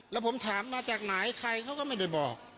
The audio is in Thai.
แล้วผมถามมาจากไหนใครเขาก็ไม่ได้บอก